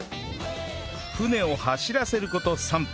船を走らせる事３分